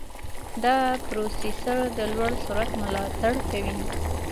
دا پروسېسر د لوړ سرعت ملاتړ کوي.